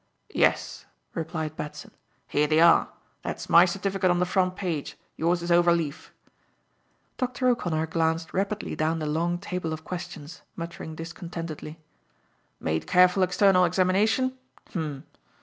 "Yes," replied Batson, "here they are. That's my certificate on the front page. Yours is overleaf." Dr. O'Connor glanced rapidly down the long table of questions, muttering discontentedly. "'Made careful external examination?' H'm.